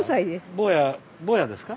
坊や坊やですか？